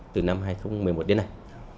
từ năm hai nghìn một mươi một đến nay